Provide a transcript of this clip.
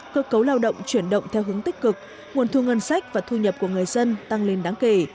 cơ cấu lao động chuyển động theo hướng tích cực nguồn thu ngân sách và thu nhập của người dân tăng lên đáng kể